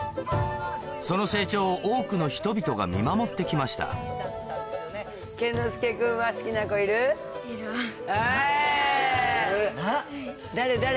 その成長を多くの人々が見守って来ましたあ。